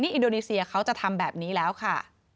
อินโดนีเซียเขาจะทำแบบนี้แล้วค่ะ